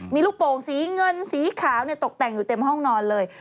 มีลูกโป่งสีเงินสีขาวตกแต่งอยู่เต็มห้องนอนเลย